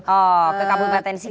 oh ke kabupaten sika